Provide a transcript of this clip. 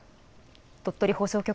鳥取放送局